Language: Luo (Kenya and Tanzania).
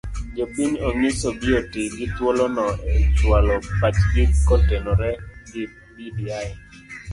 Jopiny onyis obi oti gi thuolono e chualo pachgi kotenore gi bbi